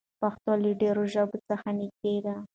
پښتو له ډېرو ژبو څخه نږدې ده.